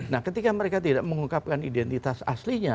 nah ketika mereka tidak mengungkapkan identitas aslinya